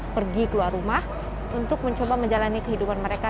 pergi keluar rumah untuk mencoba menjalani kehidupan mereka